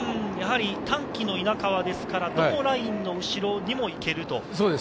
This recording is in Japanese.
単騎の稲川ですから、どのラインの後ろにも行ける。